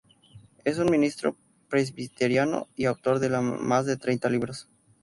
Es un ministro presbiteriano; y autor de más de treinta libros.